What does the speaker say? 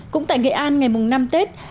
cũng tại nghệ an ngày mùng năm tết